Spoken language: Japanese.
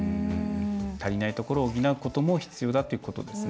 足りないことを補うことも必要ということですね。